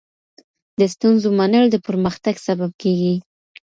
د ستونزو منل د پرمختګ سبب کېږي.